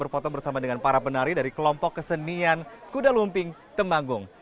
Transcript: berfoto bersama dengan para penari dari kelompok kesenian kuda lumping temanggung